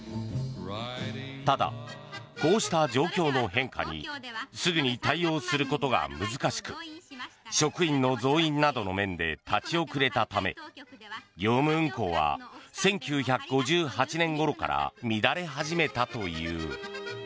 ただ、こうした状況の変化にすぐに対応することが難しく職員の増員などの面で立ち遅れたため業務運行は１９５８年ごろから乱れ始めたという。